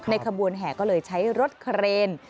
ขบวนแห่ก็เลยใช้รถเครน